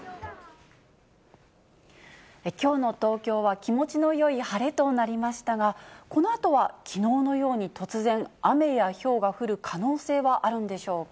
きょうの東京は気持ちのよい晴れとなりましたが、このあとはきのうのように突然、雨やひょうが降る可能性はあるんでしょうか。